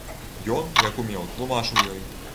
Ён, як умеў, тлумачыў ёй.